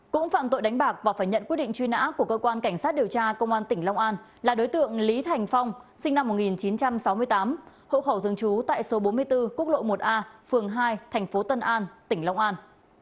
cũng phạm tội đánh bạc và phải nhận quyết định truy nã của cơ quan cảnh sát điều tra công an tỉnh long an là đối tượng lý thành phong sinh năm một nghìn chín trăm sáu mươi tám hộ khẩu thường trú tại số bốn mươi bốn quốc lộ một a phường hai thành phố tân an tỉnh long an